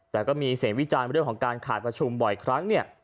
แต่ก็มีเสียงวิจารณ์เรื่องของการขาดประชุมบ่อยครั้งเนี่ย